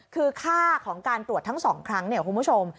คือค่าของการตรวจทั้ง๒ครั้งเนี่ยคุณผู้ชม